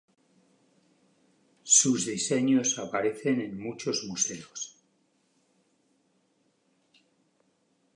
Sus diseños aparecen en muchos museos.